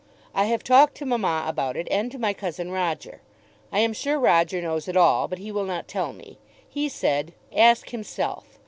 I have talked to mamma about it, and to my cousin Roger. I am sure Roger knows it all; but he will not tell me. He said, "Ask himself."